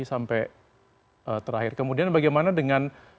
sampai terakhir kemudian bagaimana dengan